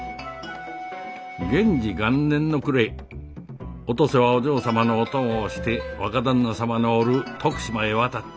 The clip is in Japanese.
元治元年の暮れお登勢はお嬢様のお供をして若旦那様のおる徳島へ渡った。